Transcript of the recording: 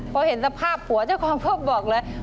พอเห็นสภาพผัวเจ้าของพบบอกเลย